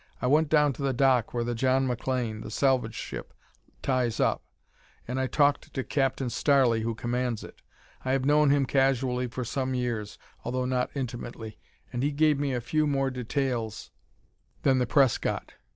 I went down to the dock where the John MacLean, the salvage ship, ties up, and I talked to Captain Starley who commands it. I have known him casually for some years, although not intimately, and he gave me a few more details than the press got.